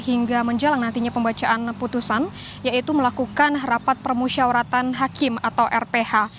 hingga menjelang nantinya pembacaan putusan yaitu melakukan rapat permusyawaratan hakim atau rph